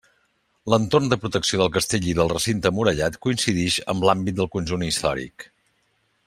L'entorn de protecció del castell i del recinte murallat coincidix amb l'àmbit del conjunt històric.